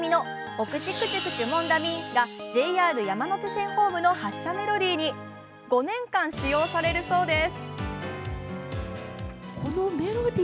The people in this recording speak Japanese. お口くちゅくちゅモンダミンがＪＲ山手線ホームの発車メロディーに５年間使用されるそうです。